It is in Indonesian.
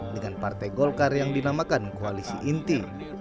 dengan partai golkar yang dinamakan koalisi inti